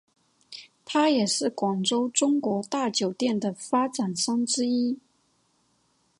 他也是广州中国大酒店的发展商之一。